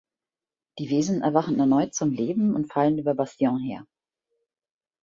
Die Wesen erwachen erneut zum Leben und fallen über Bastien her.